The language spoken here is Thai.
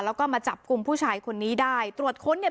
แล้วก็มาจับกลุ่มผู้ชายคนนี้ได้ตรวจค้นเนี่ย